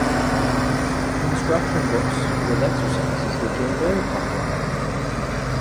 Instruction books with exercises became very common.